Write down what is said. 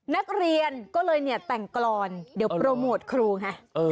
นักเรียนก็เลยเนี่ยแต่งกรอนเดี๋ยวโปรโมทครูไง